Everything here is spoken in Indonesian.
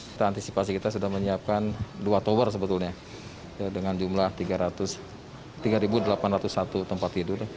kita antisipasi kita sudah menyiapkan dua tower sebetulnya dengan jumlah tiga delapan ratus satu tempat tidur